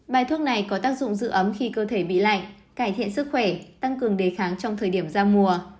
bài thuốc này có tác dụng dự ấm khi cơ thể bị lạnh cải thiện sức khỏe tăng cường đề kháng trong thời điểm giao mùa